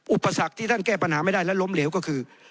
อุปสรรคที่ท่านแก้ปัญหาไม่ได้และล้มเหลวก็คือ